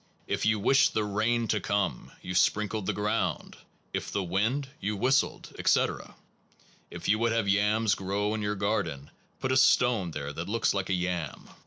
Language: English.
If you wished the rain to come, you sprinkled the ground, if the wind, you whistled, etc. If you would have yams grow well in your garden, put a stone there that looks like a yam.